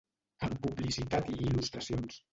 Amb publicitat i il·lustracions.